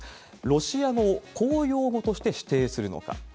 ロシア語を公用語として指定するのか。